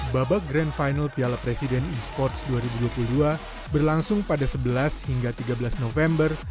babak grand final piala presiden esports dua ribu dua puluh dua berlangsung pada sebelas hingga tiga belas november